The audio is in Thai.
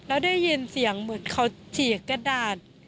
แล้วได้ยินเสียงเหมือนเขาเฉีกกระดาษ